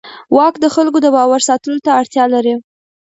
واک د خلکو د باور ساتلو ته اړتیا لري.